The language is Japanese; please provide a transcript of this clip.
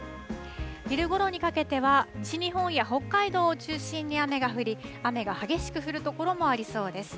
昼ごろにかけては西日本や北海道を中心に雨が降り雨が激しく降るところもありそうです。